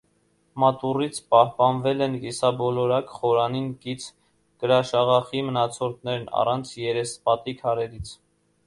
Մատուռից պահպանվել են կիսաբոլորակ խորանին կից կրաշաղախի մնացորդներն առանց երեսպատի քարերից։